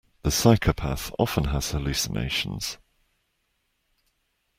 The psychopath often has hallucinations.